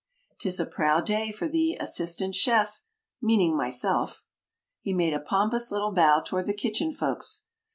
"'Tis a proud day for the 'Assistant Chef' meaning myself." He made a pompous little bow toward the Kitchen Folks.